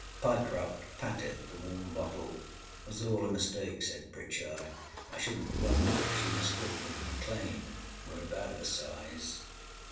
â Pyecroft patted the warm bottle. âIt was all a mistake,â said Pritchard. âI shouldnât wonder if she mistook me for Maclean. Weâre about of a size.